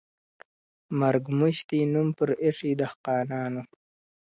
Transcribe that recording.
مرگ موش دئ نوم پر ايښى دهقانانو.